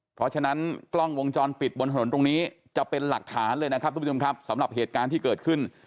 เพราะฉะนั้นกล้องวงจรปิดบนถนนตรงนี้จะเป็นหลักฐานเลยนะครับทุกผู้ชมครับสำหรับเหตุการณ์ที่เกิดขึ้น